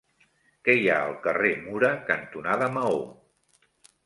Què hi ha al carrer Mura cantonada Maó?